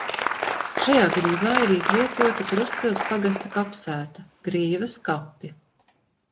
Šajā grīvā ir izvietota Krustpils pagasta kapsēta – Grīvas kapi.